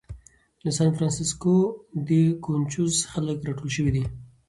د سان فرانسیسکو دې کونچوز خلک راټول شوي دي.